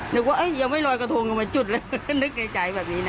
นึกว่ายังไม่ลอยกระทงยังมาจุดเลยนึกในใจแบบนี้นะ